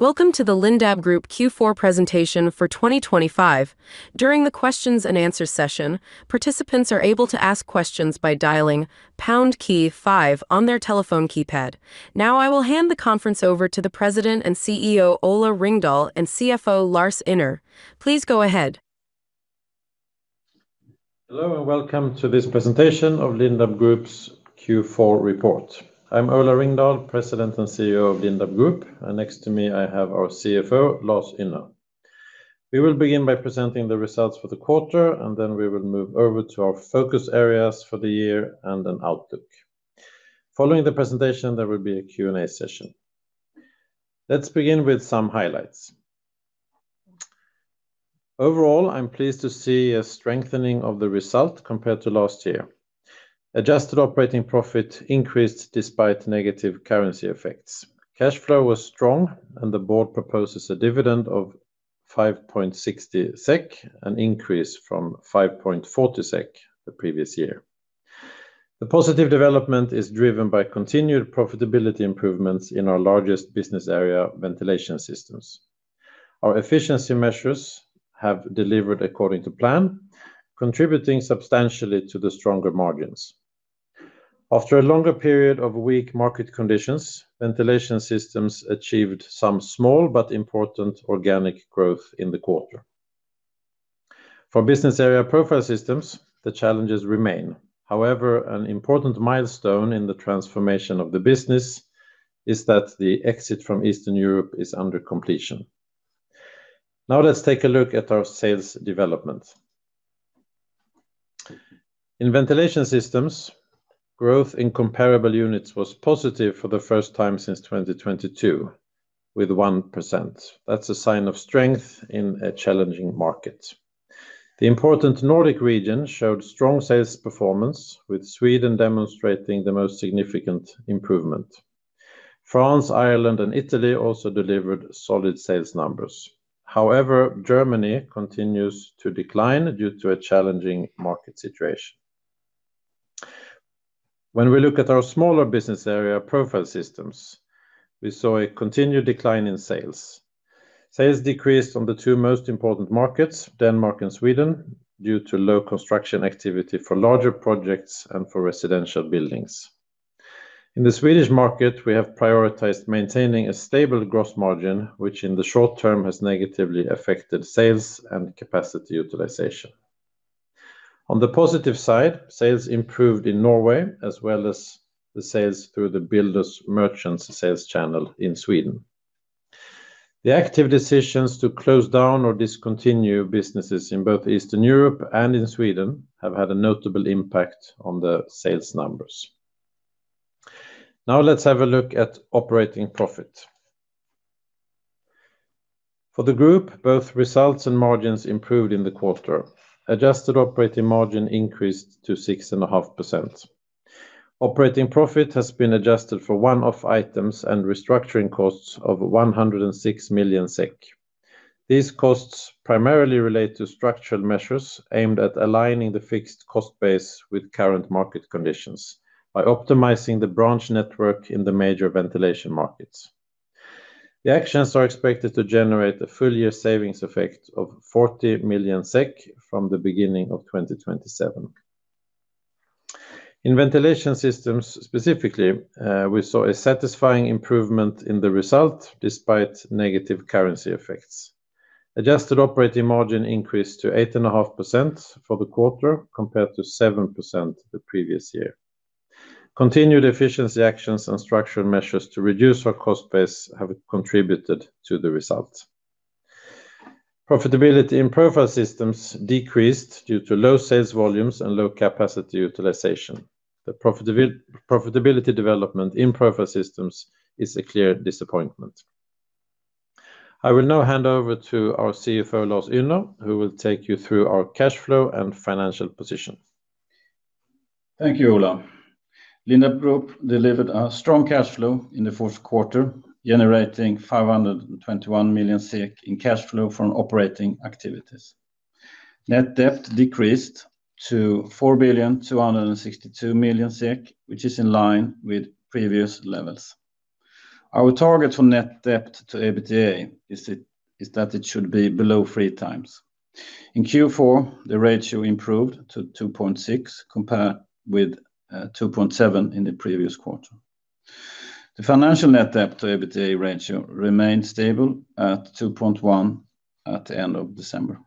Welcome to the Lindab Group Q4 presentation for 2025. During the questions and answers session, participants are able to ask questions by dialing pound key five on their telephone keypad. Now, I will hand the conference over to the President and CEO, Ola Ringdahl, and CFO, Lars Ynner. Please go ahead. Hello, and welcome to this presentation of Lindab Group's Q4 report. I'm Ola Ringdahl, President and CEO of Lindab Group, and next to me, I have our CFO, Lars Ynner. We will begin by presenting the results for the quarter, and then we will move over to our focus areas for the year and an outlook. Following the presentation, there will be a Q&A session. Let's begin with some highlights. Overall, I'm pleased to see a strengthening of the result compared to last year. Adjusted operating profit increased despite negative currency effects. Cash flow was strong, and the board proposes a dividend of 5.60 SEK, an increase from 5.40 SEK the previous year. The positive development is driven by continued profitability improvements in our largest business area, Ventilation Systems. Our efficiency measures have delivered according to plan, contributing substantially to the stronger margins. After a longer period of weak market conditions, Ventilation Systems achieved some small but important organic growth in the quarter. For business area Profile Systems, the challenges remain. However, an important milestone in the transformation of the business is that the exit from Eastern Europe is under completion. Now, let's take a look at our sales development. In Ventilation Systems, growth in comparable units was positive for the first time since 2022, with 1%. That's a sign of strength in a challenging market. The important Nordic region showed strong sales performance, with Sweden demonstrating the most significant improvement. France, Ireland, and Italy also delivered solid sales numbers. However, Germany continues to decline due to a challenging market situation. When we look at our smaller business area, Profile Systems, we saw a continued decline in sales. Sales decreased on the two most important markets, Denmark and Sweden, due to low construction activity for larger projects and for residential buildings. In the Swedish market, we have prioritized maintaining a stable gross margin, which in the short term has negatively affected sales and capacity utilization. On the positive side, sales improved in Norway, as well as the sales through the builders' merchants sales channel in Sweden. The active decisions to close down or discontinue businesses in both Eastern Europe and in Sweden have had a notable impact on the sales numbers. Now, let's have a look at operating profit. For the group, both results and margins improved in the quarter. Adjusted operating margin increased to 6.5%. Operating profit has been adjusted for one-off items and restructuring costs of 106 million SEK. These costs primarily relate to structural measures aimed at aligning the fixed cost base with current market conditions by optimizing the branch network in the major ventilation markets. The actions are expected to generate a full year savings effect of 40 million SEK from the beginning of 2027. In Ventilation Systems, specifically, we saw a satisfying improvement in the result despite negative currency effects. Adjusted operating margin increased to 8.5% for the quarter, compared to 7% the previous year. Continued efficiency actions and structural measures to reduce our cost base have contributed to the results. Profitability in Profile Systems decreased due to low sales volumes and low capacity utilization. The profitability development in Profile Systems is a clear disappointment. I will now hand over to our CFO, Lars Ynner, who will take you through our cash flow and financial position. Thank you, Ola. Lindab Group delivered a strong cash flow in the fourth quarter, generating 521 million in cash flow from operating activities. Net debt decreased to 4,262,000,000 SEK, which is in line with previous levels. Our target for net debt-to-EBITDA is it, is that it should be below 3x. In Q4, the ratio improved to 2.6, compared with 2.7 in the previous quarter. The financial net debt-to-EBITDA ratio remained stable at 2.1 at the end of December.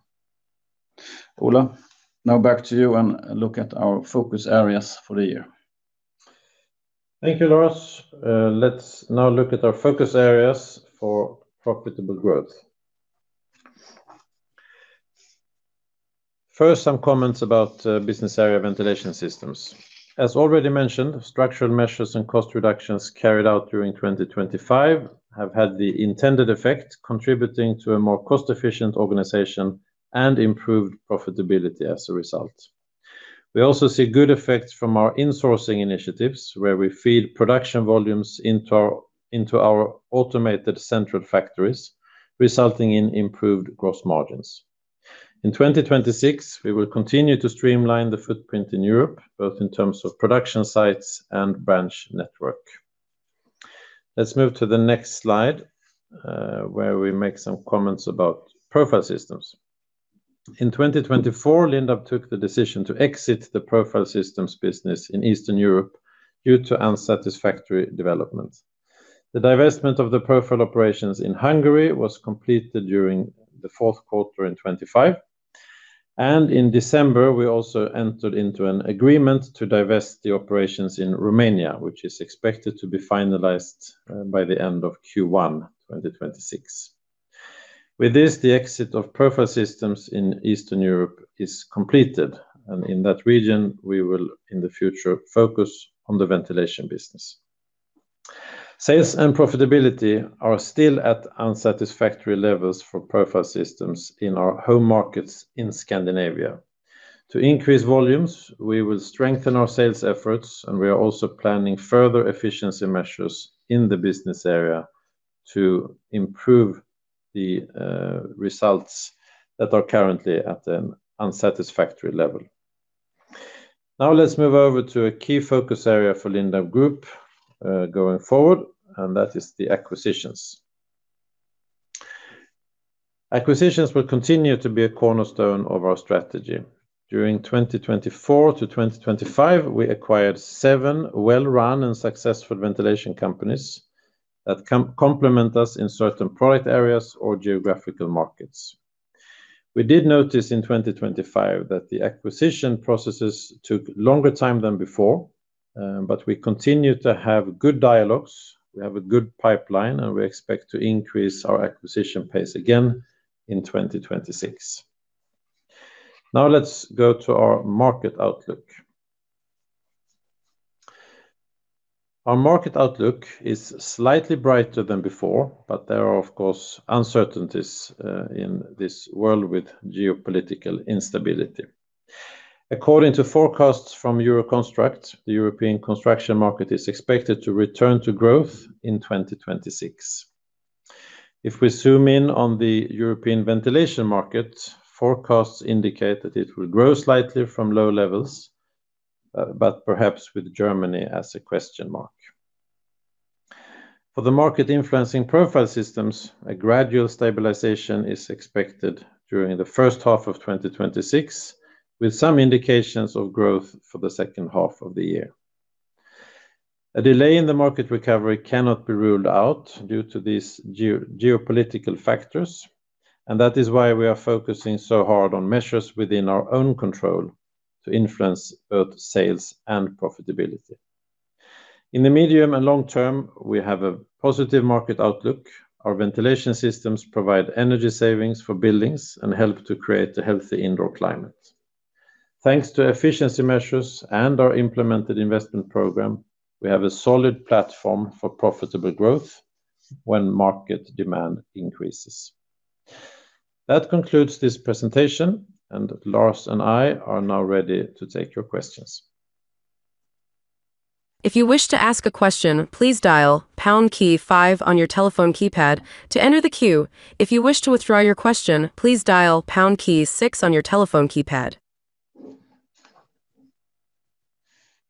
Ola, now back to you and look at our focus areas for the year. Thank you, Lars. Let's now look at our focus areas for profitable growth. First, some comments about business area Ventilation Systems. As already mentioned, structural measures and cost reductions carried out during 2025 have had the intended effect, contributing to a more cost-efficient organization and improved profitability as a result. We also see good effects from our insourcing initiatives, where we feed production volumes into our automated central factories, resulting in improved gross margins. In 2026, we will continue to streamline the footprint in Europe, both in terms of production sites and branch network. Let's move to the next slide, where we make some comments about Profile Systems. In 2024, Lindab took the decision to exit the Profile Systems business in Eastern Europe due to unsatisfactory developments. The divestment of the Profile Systems operations in Hungary was completed during the fourth quarter in 2025, and in December, we also entered into an agreement to divest the operations in Romania, which is expected to be finalized by the end of Q1, 2026. With this, the exit of Profile Systems in Eastern Europe is completed, and in that region, we will, in the future, focus on the ventilation business. Sales and profitability are still at unsatisfactory levels for Profile Systems in our home markets in Scandinavia. To increase volumes, we will strengthen our sales efforts, and we are also planning further efficiency measures in the business area to improve the results that are currently at an unsatisfactory level. Now, let's move over to a key focus area for Lindab Group going forward, and that is the acquisitions. Acquisitions will continue to be a cornerstone of our strategy. During 2024 to 2025, we acquired seven well-run and successful ventilation companies that complement us in certain product areas or geographical markets. We did notice in 2025 that the acquisition processes took longer time than before, but we continue to have good dialogues. We have a good pipeline, and we expect to increase our acquisition pace again in 2026. Now, let's go to our market outlook. Our market outlook is slightly brighter than before, but there are, of course, uncertainties, in this world with geopolitical instability. According to forecasts from Euroconstruct, the European construction market is expected to return to growth in 2026. If we zoom in on the European ventilation market, forecasts indicate that it will grow slightly from low levels, but perhaps with Germany as a question mark. For the market-influencing Profile Systems, a gradual stabilization is expected during the first half of 2026, with some indications of growth for the second half of the year. A delay in the market recovery cannot be ruled out due to these geopolitical factors, and that is why we are focusing so hard on measures within our own control to influence both sales and profitability. In the medium and long term, we have a positive market outlook. Our Ventilation Systems provide energy savings for buildings and help to create a healthy indoor climate. Thanks to efficiency measures and our implemented investment program, we have a solid platform for profitable growth when market demand increases. That concludes this presentation, and Lars and I are now ready to take your questions. If you wish to ask a question, please dial pound key five on your telephone keypad to enter the queue. If you wish to withdraw your question, please dial pound key six on your telephone keypad.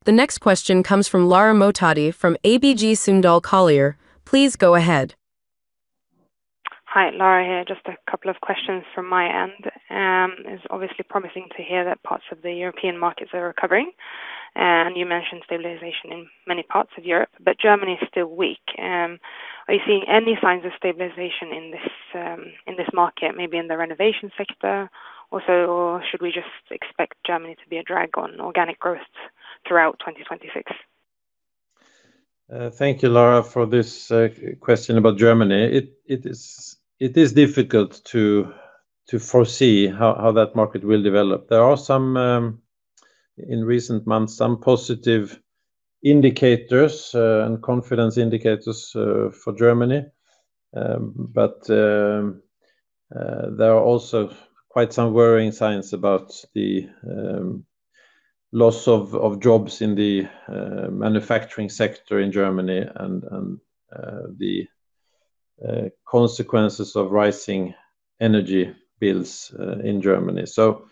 The next question comes from Lara Mohtadi from ABG Sundal Collier. Please go ahead. Hi, Lara here. Just a couple of questions from my end. It's obviously promising to hear that parts of the European markets are recovering, and you mentioned stabilization in many parts of Europe, but Germany is still weak. Are you seeing any signs of stabilization in this, in this market, maybe in the renovation sector? Also, should we just expect Germany to be a drag on organic growth throughout 2026? Thank you, Lara, for this question about Germany. It is difficult to foresee how that market will develop. There are some in recent months some positive indicators and confidence indicators for Germany. But there are also quite some worrying signs about the loss of jobs in the manufacturing sector in Germany and the consequences of rising energy bills in Germany. So,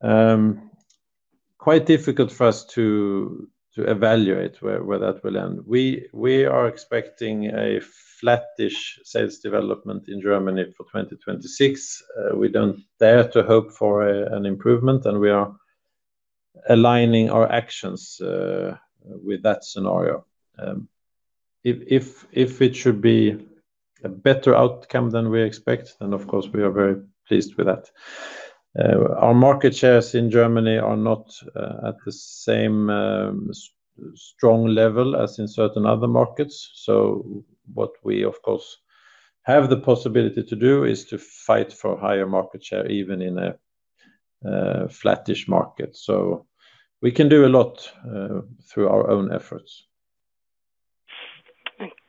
quite difficult for us to evaluate where that will end. We are expecting a flattish sales development in Germany for 2026. We don't dare to hope for an improvement, and we are aligning our actions with that scenario. If it should be a better outcome than we expect, then, of course, we are very pleased with that. Our market shares in Germany are not at the same strong level as in certain other markets. So what we, of course, have the possibility to do is to fight for higher market share, even in a flattish market. So we can do a lot through our own efforts.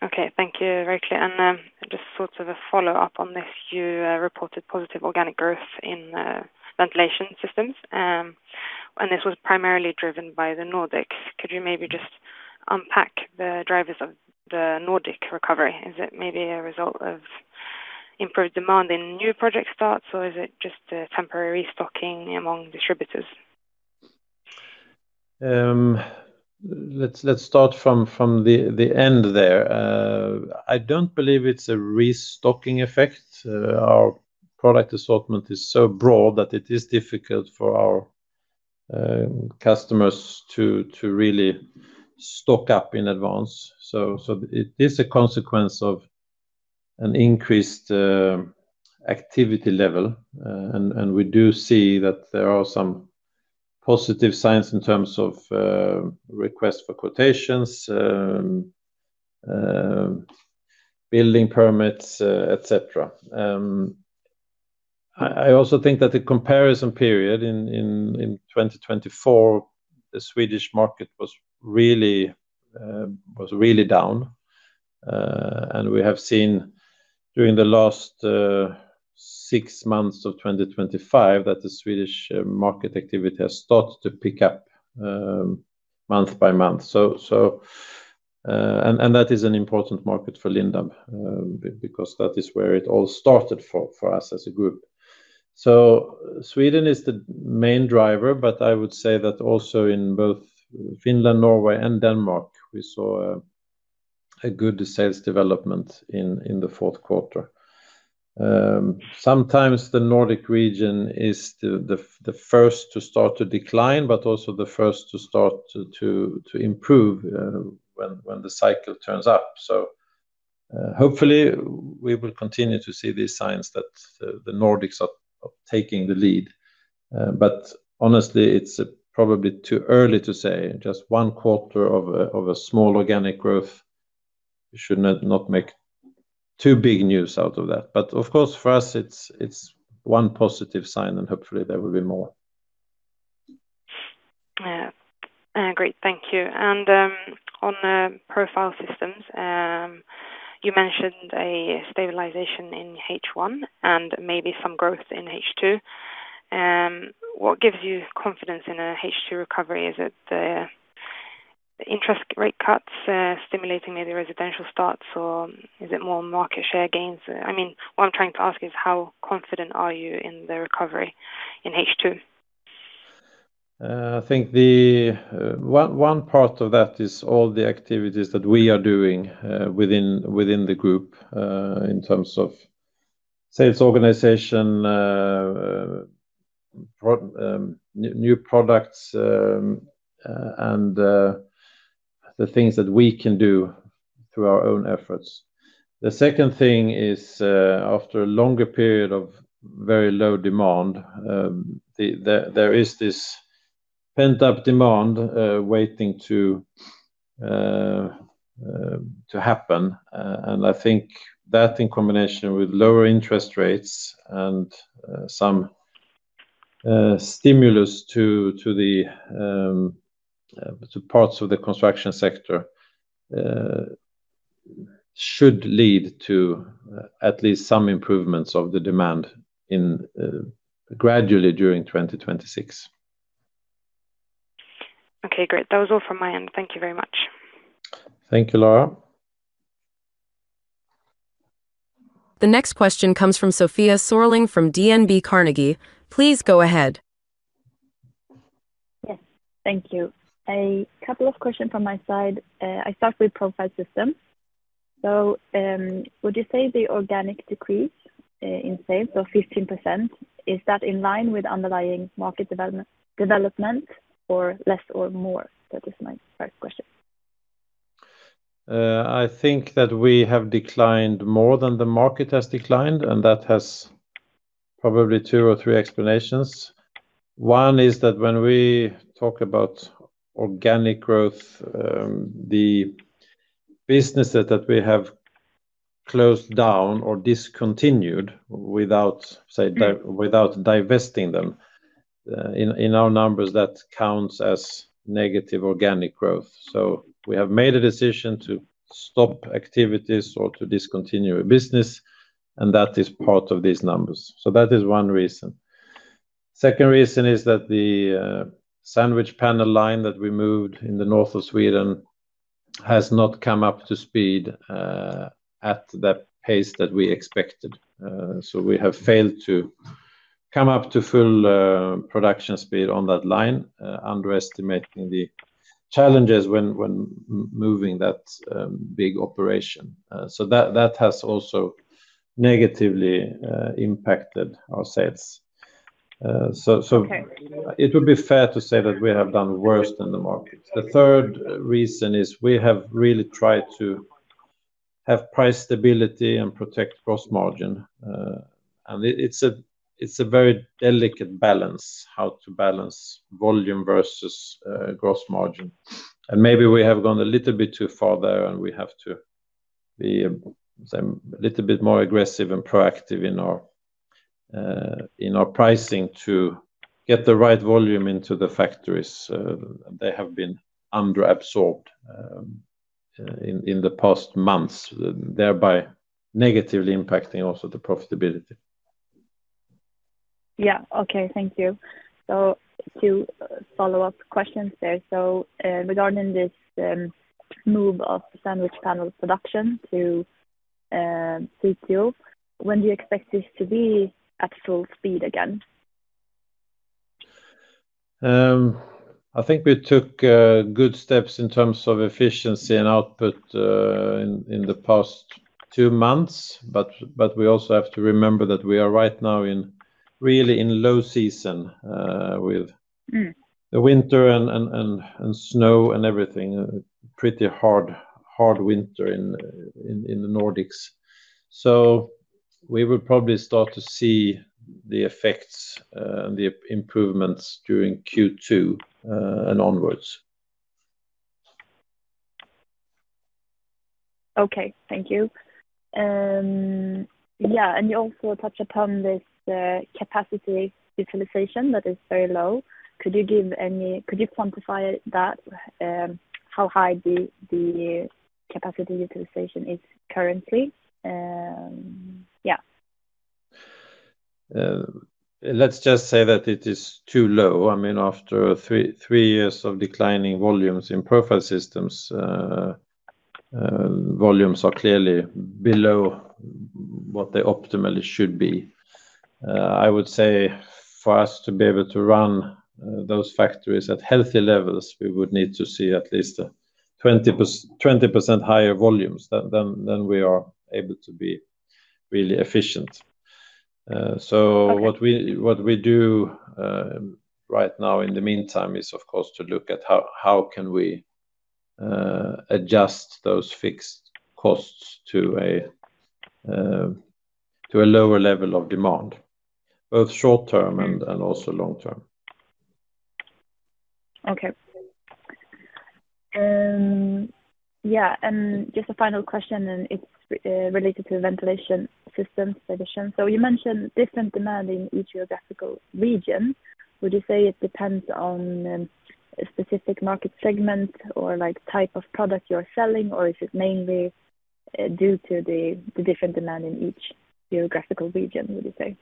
Okay. Thank you, very clear. And just sort of a follow-up on this, you reported positive organic growth in Ventilation Systems and this was primarily driven by the Nordics. Could you maybe just unpack the drivers of the Nordic recovery? Is it maybe a result of improved demand in new project starts, or is it just a temporary restocking among distributors? Let's start from the end there. I don't believe it's a restocking effect. Our product assortment is so broad that it is difficult for our customers to really stock up in advance. So it is a consequence of an increased activity level. And we do see that there are some positive signs in terms of requests for quotations, building permits, et cetera. I also think that the comparison period in 2024, the Swedish market was really down. And we have seen during the last six months of 2025, that the Swedish market activity has started to pick up, month by month. That is an important market for Lindab, because that is where it all started for us as a group. So Sweden is the main driver, but I would say that also in both Finland, Norway, and Denmark, we saw a good sales development in the fourth quarter. Sometimes the Nordic region is the first to start to decline, but also the first to start to improve when the cycle turns up. So hopefully, we will continue to see these signs that the Nordics are taking the lead. But honestly, it's probably too early to say just one quarter of a small organic growth. We should not make too big news out of that. But of course, for us, it's, it's one positive sign, and hopefully there will be more. Yeah. Great, thank you. And, on the Profile Systems, you mentioned a stabilization in H1 and maybe some growth in H2. What gives you confidence in a H2 recovery? Is it the interest rate cuts stimulating maybe residential starts, or is it more market share gains? I mean, what I'm trying to ask is: how confident are you in the recovery in H2? I think the one part of that is all the activities that we are doing within the group in terms of sales organization, new products, and the things that we can do through our own efforts. The second thing is, after a longer period of very low demand, there is this pent-up demand waiting to happen. And I think that in combination with lower interest rates and some stimulus to the parts of the construction sector should lead to at least some improvements of the demand gradually during 2026. Okay, great. That was all from my end. Thank you very much. Thank you, Lara. The next question comes from Sofia Sörling from DNB Markets. Please go ahead. Yes, thank you. A couple of questions from my side. I start with Profile Systems. So, would you say the organic decrease in sales of 15%, is that in line with underlying market development or less or more? That is my first question. I think that we have declined more than the market has declined, and that has probably two or three explanations. One is that when we talk about organic growth, the businesses that we have closed down or discontinued without divesting them, in our numbers, that counts as negative organic growth. So we have made a decision to stop activities or to discontinue a business, and that is part of these numbers. So that is one reason. Second reason is that the sandwich panel line that we moved in the north of Sweden has not come up to speed at the pace that we expected. So we have failed to come up to full production speed on that line, underestimating the challenges when moving that big operation. So that has also negatively impacted our sales. So, Okay. It would be fair to say that we have done worse than the market. The third reason is we have really tried to have price stability and protect gross margin, and it's a very delicate balance, how to balance volume versus gross margin. Maybe we have gone a little bit too far there, and we have to be a little bit more aggressive and proactive in our pricing to get the right volume into the factories. They have been under-absorbed in the past months, thereby negatively impacting also the profitability. Yeah. Okay, thank you. So two follow-up questions there. So, regarding this move of sandwich panel production to Piteå, when do you expect this to be at full speed again? I think we took good steps in terms of efficiency and output in the past two months. But we also have to remember that we are right now in really low season with- Mm... the winter and snow and everything, pretty hard, hard winter in the Nordics. So we will probably start to see the effects, the improvements during Q2, and onwards. Okay. Thank you. Yeah, and you also touched upon this capacity utilization that is very low. Could you quantify that, how high the capacity utilization is currently? Yeah. Let's just say that it is too low. I mean, after three years of declining volumes in Profile Systems, volumes are clearly below what they optimally should be. I would say for us to be able to run those factories at healthy levels, we would need to see at least 20% higher volumes, then we are able to be really efficient. So- Okay... what we, what we do right now in the meantime is, of course, to look at how, how can we adjust those fixed costs to a, to a lower level of demand, both short term and, and also long term. Okay. Yeah, and just a final question, and it's related to Ventilation Systems division. So you mentioned different demand in each geographical region. Would you say it depends on a specific market segment or, like, type of product you're selling? Or is it mainly due to the different demand in each geographical region, would you say?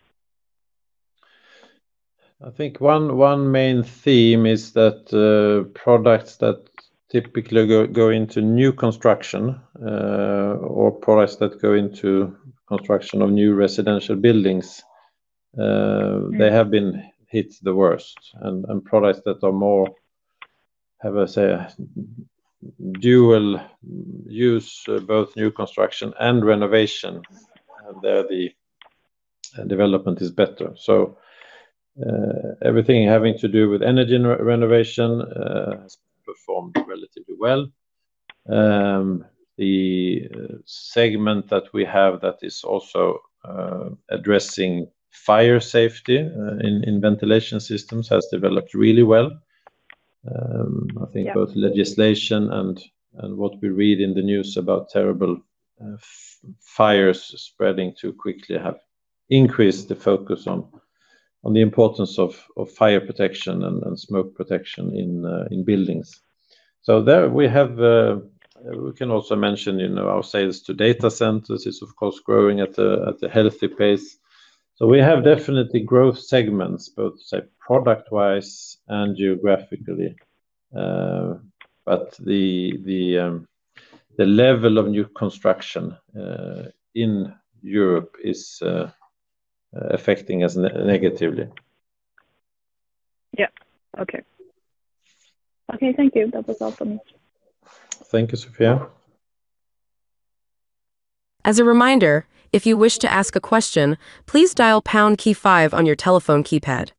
I think one main theme is that, products that typically go into new construction, or products that go into construction of new residential buildings. Mm... they have been hit the worst. And products that are more, how do I say, dual use, both new construction and renovation, there the development is better. So, everything having to do with energy renovation has performed relatively well. The segment that we have that is also addressing fire safety in Ventilation Systems has developed really well. I think- Yeah... both legislation and what we read in the news about terrible fires spreading too quickly have increased the focus on the importance of fire protection and smoke protection in buildings. So there we have we can also mention, you know, our sales to data centers is, of course, growing at a healthy pace. So we have definitely growth segments, both say product wise and geographically. But the level of new construction in Europe is affecting us negatively. Yeah. Okay. Okay, thank you. That was all from me. Thank you, Sofia. As a reminder, if you wish to ask a question, please dial pound key five on your telephone keypad.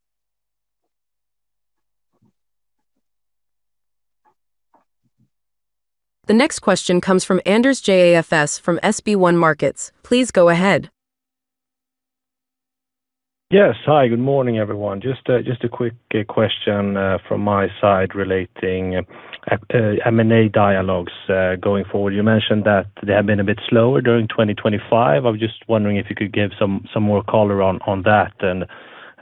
The next question comes from Anders Jåfs from SB1 Markets. Please go ahead. Yes. Hi, good morning, everyone. Just a quick question from my side, relating M&A dialogues going forward. You mentioned that they have been a bit slower during 2025. I was just wondering if you could give some more color on that, and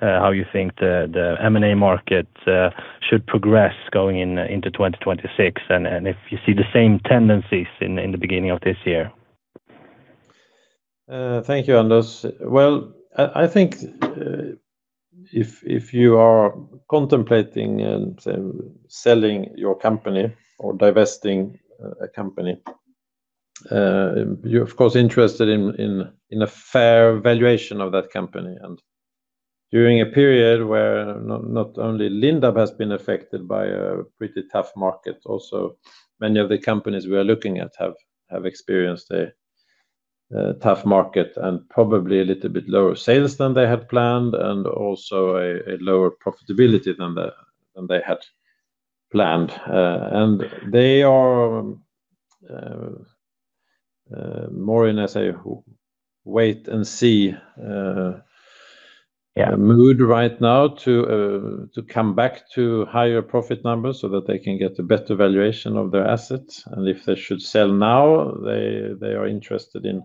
how you think the M&A market should progress going into 2026, and if you see the same tendencies in the beginning of this year? Thank you, Anders. Well, I think if you are contemplating and selling your company or divesting a company, you're of course interested in a fair valuation of that company. During a period where not only Lindab has been affected by a pretty tough market, also many of the companies we are looking at have experienced a tough market and probably a little bit lower sales than they had planned, and also a lower profitability than they had planned. They are more in as a wait and see. Yeah... mood right now to come back to higher profit numbers so that they can get a better valuation of their assets. And if they should sell now, they are interested in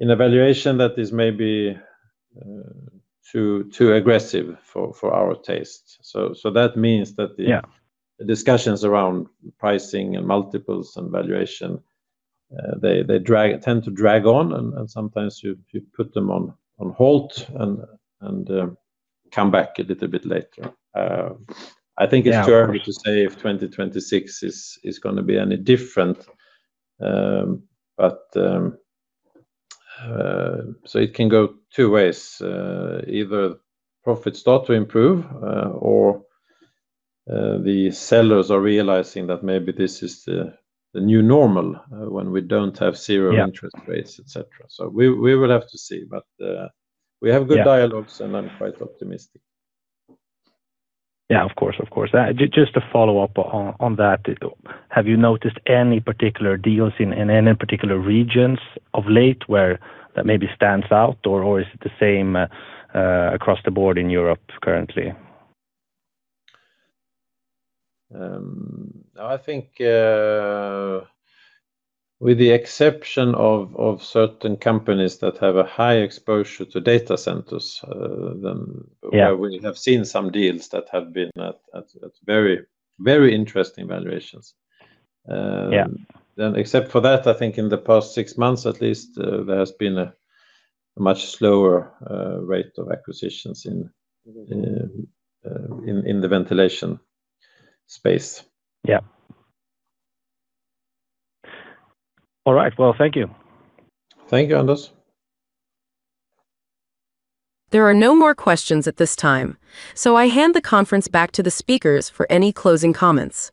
a valuation that is maybe too aggressive for our taste. So that means that the- Yeah discussions around pricing and multiples and valuation, they tend to drag on, and sometimes you put them on halt and come back a little bit later. I think- Yeah... it's too early to say if 2026 is gonna be any different. But so it can go two ways. Either profits start to improve, or the sellers are realizing that maybe this is the new normal, when we don't have zero- Yeah... interest rates, et cetera. So we, we will have to see. But, we have good- Yeah... dialogues, and I'm quite optimistic. Yeah, of course, of course. Just to follow up on that, have you noticed any particular deals in any particular regions of late, where that maybe stands out, or is it the same across the board in Europe currently? I think with the exception of certain companies that have a high exposure to data centers, then- Yeah... we have seen some deals that have been at very, very interesting valuations. Yeah. Except for that, I think in the past six months at least, there has been a much slower rate of acquisitions in the ventilation space. Yeah. All right, well, thank you. Thank you, Anders. There are no more questions at this time, so I hand the conference back to the speakers for any closing comments.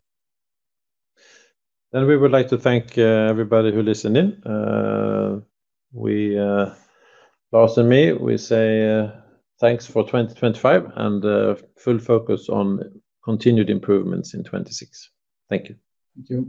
Then we would like to thank everybody who listened in. We, Lars and me, we say thanks for 2025, and full focus on continued improvements in 2026. Thank you. Thank you.